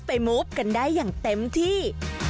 มูฟกันได้อย่างเต็มที่